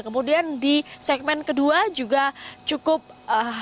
kemudian di segmen kedua juga cukup